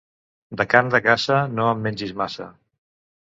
De carn de caça, no en mengis massa.